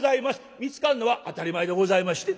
見つかるのは当たり前でございまして。